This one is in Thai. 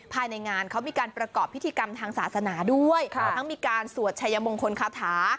ภายในงานเขามีการประกอบพิธีกรรมทางศาสนาด้วยทั้งมีการสวดชายมงคลคาถา